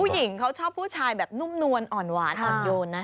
หญิงเขาชอบผู้ชายแบบนุ่มนวลอ่อนหวานอ่อนโยนนะ